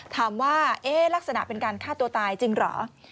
ลักษณะเป็นการฆ่าตัวตายจริงเหรอ